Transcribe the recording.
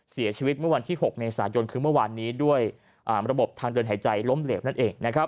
เสียชีวิตเมื่อวันที่๖เมษายนคือเมื่อวานนี้ด้วยระบบทางเดินหายใจล้มเหลวนั่นเอง